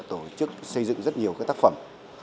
tổ chức xây dựng rất nhiều tác phẩm